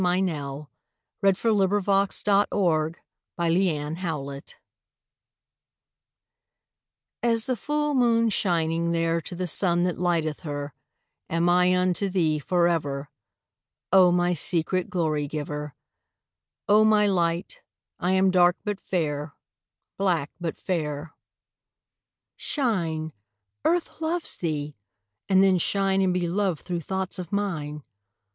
THE POET SINGS TO HER POET THE MOON TO THE SUN As the full moon shining there To the sun that lighteth her Am I unto thee for ever, O my secret glory giver! O my light, I am dark but fair, Black but fair. Shine, Earth loves thee! And then shine And be loved through thoughts of mine.